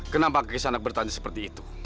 kenapa kiyasanta bertanya seperti itu